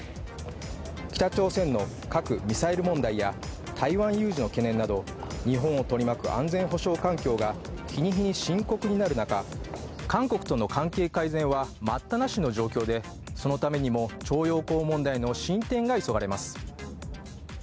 北朝鮮の核・ミサイル問題や台湾有事の懸念など日本を取り巻く安全保障環境が日に日に深刻になる中、韓国との関係改善は待ったなしの状況でそのためにも徴用工問題の進展が急がれます。